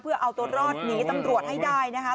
เพื่อเอาตัวรอดหนีตำรวจให้ได้นะคะ